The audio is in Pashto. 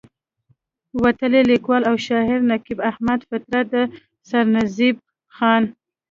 وتلے ليکوال او شاعر نقيب احمد فطرت د سرنزېب خان